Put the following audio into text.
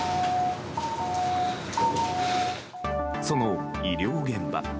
その医療現場。